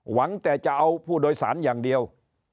แต่จะเอาผู้โดยสารอย่างเดียว